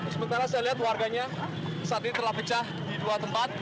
sementara saya lihat warganya saat ini telah pecah di dua tempat